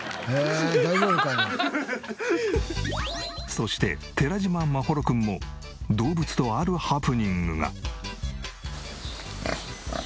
そして寺嶋眞秀君も動物とあるハプニングが。